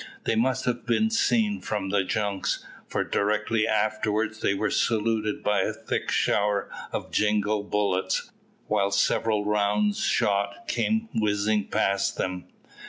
They must have been seen from the junks, for directly afterwards they were saluted by a thick shower of jingall bullets, while several round shot came whizzing past them.